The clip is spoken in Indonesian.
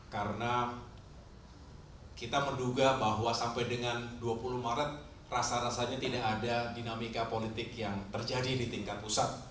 karena kita menduga bahwa sampai dengan dua puluh maret rasa rasanya tidak ada dinamika politik yang terjadi di tingkat pusat